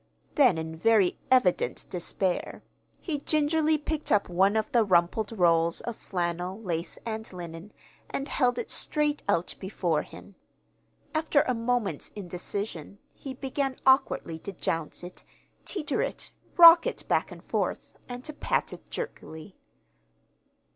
Then, in very evident despair, he gingerly picked up one of the rumpled rolls of flannel, lace, and linen, and held it straight out before him. After a moment's indecision he began awkwardly to jounce it, teeter it, rock it back and forth, and to pat it jerkily.